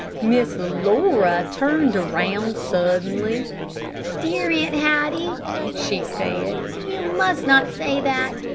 Miss Laura turned around suddenly. "Dear Aunt Hattie," she said, "you must not say that.